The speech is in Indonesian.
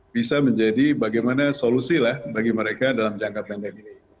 bisa menjadi bagaimana solusilah bagi mereka dalam jangka pandemi ini